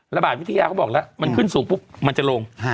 ระบาดวิทยาเขาบอกแล้วมันขึ้นสูงปุ๊บมันจะลง